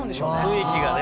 雰囲気がね。